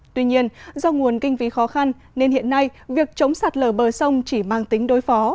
tuy nhiên do nguồn kinh phí khó khăn nên hiện nay việc chống sạt lở bờ sông chỉ mang tính đối phó